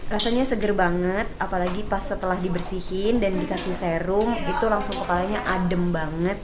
rasanya seger banget apalagi pas setelah dibersihin dan dikasih serum itu langsung kepalanya adem banget